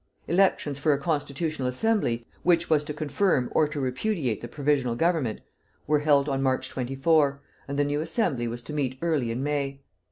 Elections for a Constitutional Assembly, which was to confirm or to repudiate the Provisional Government, were held on March 24, and the new Assembly was to meet early in May.